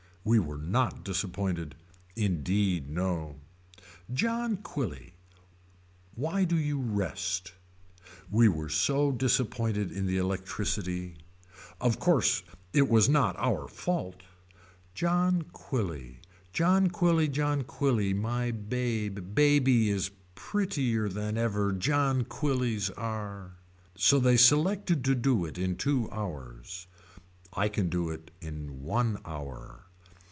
We were not disappointed Indeed no. John Quilly. Why do you rest. We were so disappointed in the electricity. Of course it was not our fault. John Quilly. John Quilly John Quilly my babe baby is prettier than ever John Quillys are. So they selected to do it in two hours. I can do it in one hour.